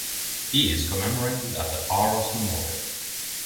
He is commemorated at the Arras Memorial.